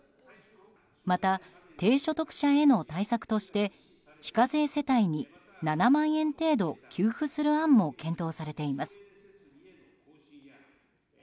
また低所得者への対策として非課税世帯に７万円程度給付する案も検討されています。